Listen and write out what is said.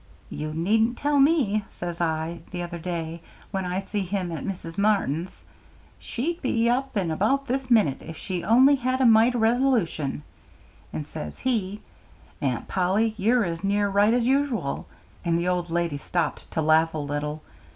"'You needn't tell me,' says I, the other day, when I see him at Miss Martin's. 'She'd be up and about this minute if she only had a mite o' resolution;' and says he, 'Aunt Polly, you're as near right as usual;'" and the old lady stopped to laugh a little.